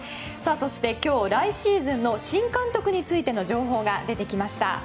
そして今日、来シーズンの新監督についての情報が出てきました。